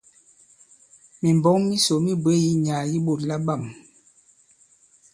Mìmbɔ̌k misò mi bwě yi nyàà yi ɓôt labâm.